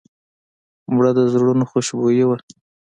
مړه د زړونو خوشبويي وه